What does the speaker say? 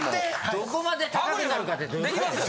どこまで高くなるかってどういうことだよ。